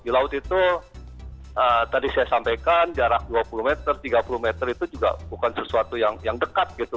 di laut itu tadi saya sampaikan jarak dua puluh meter tiga puluh meter itu juga bukan sesuatu yang dekat gitu